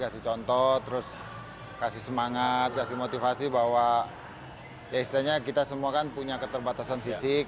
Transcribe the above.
kasih contoh terus kasih semangat kasih motivasi bahwa ya istilahnya kita semua kan punya keterbatasan fisik